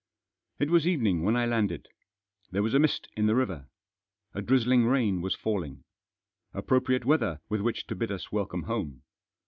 It was evening when I landed. There was a mist in the riven A drizzling rain was falling. Appro priate weather with which to bid us welcome home.